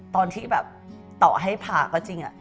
ตอนที่แบบต่อให้ผ่าก็จริง